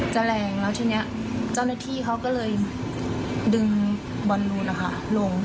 แรงแล้วทีนี้เจ้าหน้าที่เขาก็เลยดึงบอลลูนนะคะลง